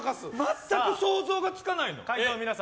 全く想像がつかないの。